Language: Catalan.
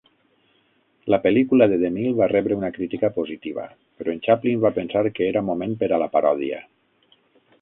La pel·lícula de DeMille va rebre una crítica positiva però en Chaplin va pensar que era moment per a la paròdia.